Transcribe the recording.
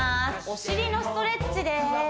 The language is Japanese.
お尻のストレッチです